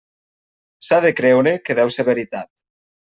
S'ha de creure, que deu ser veritat.